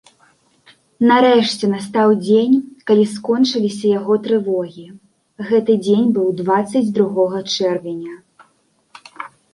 Нарэшце настаў дзень, калі скончыліся яго трывогі, гэты дзень быў дваццаць другога чэрвеня.